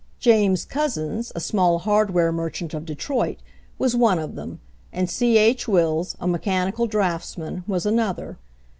James Couzens, a small hardware merchant of Detroit, was one of them, and C. H. Wills, a mechanical draughts man, was another.